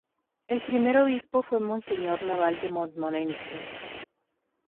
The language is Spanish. El primer obispo fue monseñor Laval de Montmorency.